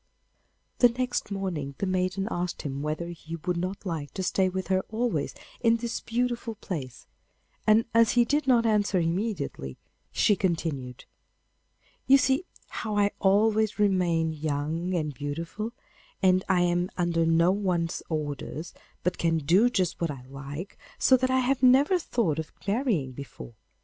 The next morning the maiden asked him whether he would not like to stay with her always in this beautiful place, and as he did not answer immediately, she continued: 'You see how I always remain young and beautiful, and I am under no one's orders, but can do just what I like, so that I have never thought of marrying before.